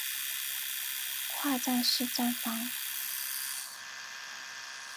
跨站式站房。